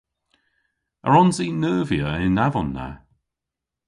A wrons i neuvya y'n avon na?